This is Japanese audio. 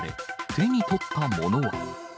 手に取ったものは？